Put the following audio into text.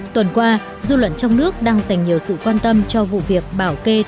tuần qua dư luận trong nước đang dành nhiều sự quan tâm cho vụ việc bảo kê